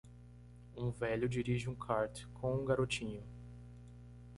Um velho dirige um kart com um garotinho.